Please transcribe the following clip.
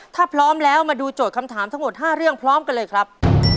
ถ้าพร้อมแล้วมาดูโจทย์คำถามทั้งหมด๕เรื่องพร้อมกันเลยครับ